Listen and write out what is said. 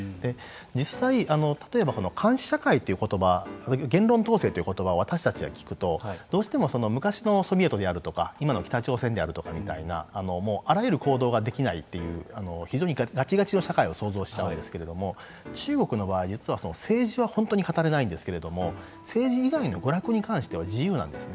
実際、例えば監視社会ということば言論統制ということばは私たちが聞くとどうしても昔のソビエトであるとか今の北朝鮮であるとかみたいなあらゆる行動ができないという非常にがちがちの社会を想像しちゃうんですけれども中国の場合、実は政治は本当に語れないんですけれども政治以外の娯楽に関しては自由なんですね。